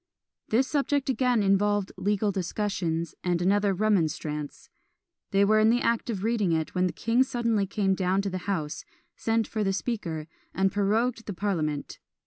This subject again involved legal discussions, and another "Remonstrance." They were in the act of reading it, when the king suddenly came down to the house, sent for the Speaker, and prorogued the parliament.